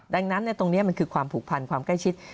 ดังนั้นตรงนี้มันคือความผูกพันความใกล้ชิด